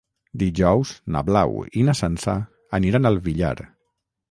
Dijous na Blau i na Sança aniran al Villar.